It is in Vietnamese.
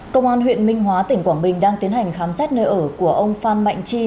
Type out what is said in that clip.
công an huyện minh hóa tỉnh quảng bình đang tiến hành khám xét nơi ở của ông phan mạnh chi